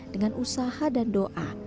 dengan usaha dan doa